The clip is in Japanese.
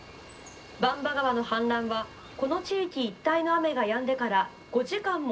番場川の氾濫はこの地域一帯の雨がやんでから５時間も経過した後に起こりました。